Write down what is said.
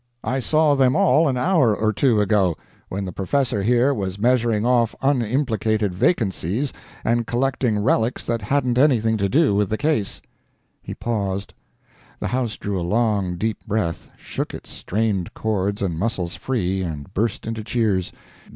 I saw them all an hour or two ago, when the Professor here was measuring off unimplicated vacancies and collecting relics that hadn't anything to do with the case." He paused. The house drew a long, deep breath, shook its strained cords and muscles free and burst into cheers.